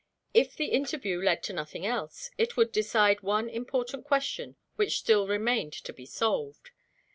If the interview led to nothing else, it would decide one important question which still remained to be solved.